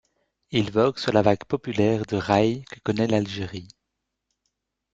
Il vogue sur la vague populaire de raï que connaît l'Algérie.